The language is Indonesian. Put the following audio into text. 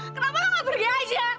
kenapa lu ga pergi aja